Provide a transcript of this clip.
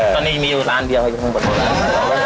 ตอนนี้มี๑ล้านเดียวให้ทุกคนปลอดภัณฑ์